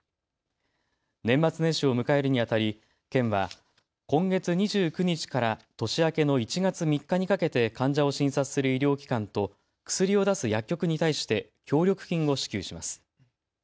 年末年始を迎えるにあたり県は今月２９日から年明けの１月３日にかけて患者を診察する医療機関と薬を出す薬局に対して協力金を支給します。